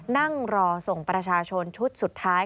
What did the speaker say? นั่งรอส่งประชาชนชุดสุดท้าย